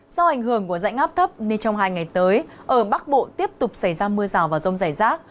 do ảnh hưởng của dãy ngáp thấp trong hai ngày tới ở bắc bộ tiếp tục xảy ra mưa rào vào rông dày rác